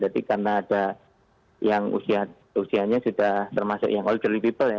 jadi karena ada yang usianya sudah termasuk yang elderly people ya